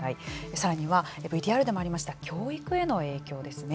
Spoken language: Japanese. さらにはＶＴＲでもありました教育への影響ですね。